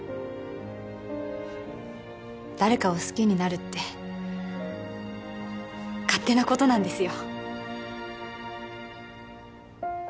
誰かを好きになるって勝手なことなんですよ